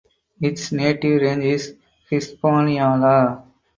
Its native range is Hispaniola.